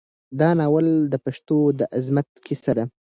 دا ناول د پښتنو د عظمت کیسه ده.